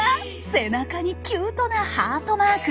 背中にキュートなハートマーク。